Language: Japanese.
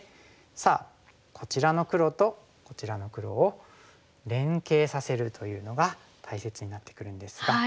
こちらの黒とこちらの黒を連携させるというのが大切になってくるんですが。